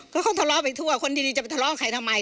ก็เขาทะเลาะไปทั่วคนที่ดีจะไปทะเลาะใครทำไม